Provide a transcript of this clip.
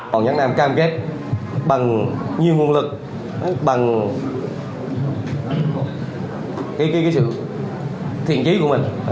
hoàng nhất nam cam kết bằng nhiều nguồn lực bằng cái sự thiện trí của mình